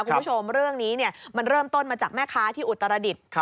คุณผู้ชมเรื่องนี้มันเริ่มต้นมาจากแม่ค้าที่อุตรดิษฐ์